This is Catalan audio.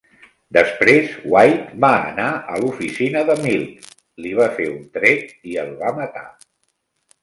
Després, White va anar a l'oficina de Milk, li va fer un tret i el va matar.